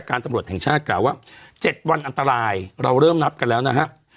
ตำรวจแห่งชาติกล่าวว่า๗วันอันตรายเราเริ่มนับกันแล้วนะครับ